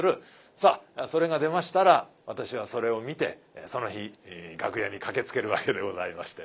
さあそれが出ましたら私はそれを見てその日楽屋に駆けつけるわけでございまして。